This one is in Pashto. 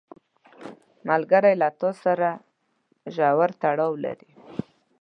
ملګری له تا سره ژور تړاو لري